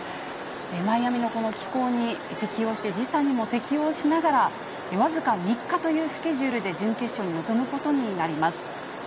マイアミのこの気候に適応して、時差にも適応しながら、僅か３日というスケジュールで準決勝に臨むことになります。